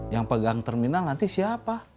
yang pegang terminal nanti siapa